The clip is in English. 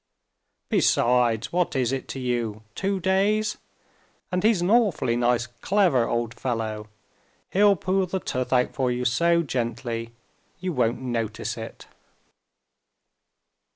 "Besides, what is it to you—two days? And he's an awfully nice clever old fellow. He'll pull the tooth out for you so gently, you won't notice it."